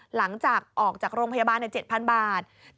หลังจากออกจากโรงพยาบาล๗๐๐บาท